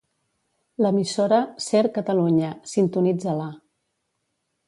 L'emissora "Ser Catalunya", sintonitza-la.